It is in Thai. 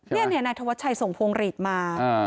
นี่นายธวัชชัยส่งพวงหลีดมา